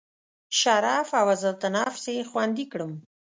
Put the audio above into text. شرف او عزت نفس یې خوندي کړم.